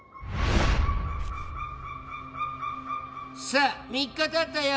さあ３日経ったよ！